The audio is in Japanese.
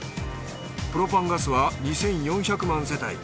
プロパンガスは２，４００万世帯。